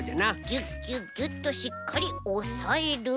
ギュッギュッギュッとしっかりおさえる。